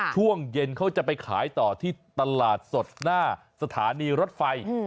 ช่วงเย็นเขาจะไปขายต่อที่ตลาดสดหน้าสถานีรถไฟ